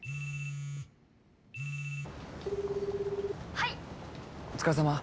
☎はいお疲れさま